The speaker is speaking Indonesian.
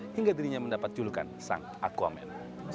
hingga dirinya mendapat julukan sang aquamen